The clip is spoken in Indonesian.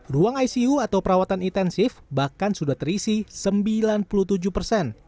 ruang icu atau perawatan intensif bahkan sudah terisi sembilan puluh tujuh persen